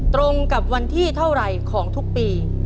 ตรงกับวันที่เท่าไหร่ของทุกปี